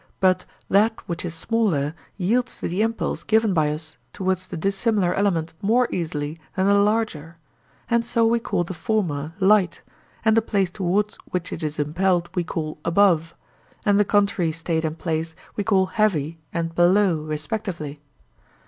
But that which is smaller yields to the impulse given by us towards the dissimilar element more easily than the larger; and so we call the former light, and the place towards which it is impelled we call above, and the contrary state and place we call heavy and below respectively.